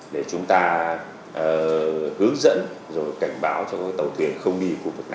để chúng ta hướng dẫn rồi cảnh báo cho tàu thuyền không đi